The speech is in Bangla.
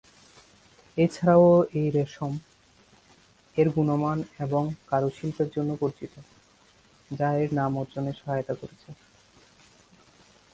এছাড়াও এই রেশম, এর গুণমান এবং কারুশিল্পের জন্য পরিচিত, যা এর নাম অর্জনে সহায়তা করেছে।